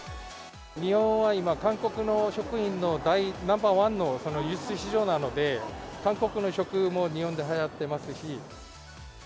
日本は今、韓国の食品のナンバー１の輸出市場なので、韓国の食も日本ではやってますし。